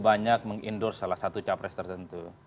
banyak meng endorse salah satu capres tertentu